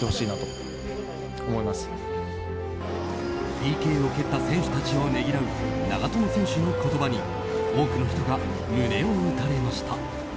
ＰＫを蹴った選手たちをねぎらう長友選手の言葉に多くの人が胸を打たれました。